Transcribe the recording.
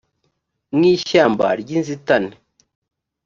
mu ishyamba ry inzitane